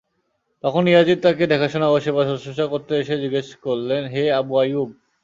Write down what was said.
তখন ইয়াযিদ তাকে দেখাশুনা ও সেবা-শুশ্রুষা করতে এসে জিজ্ঞেস করলেন—হে আবু আইয়ুব!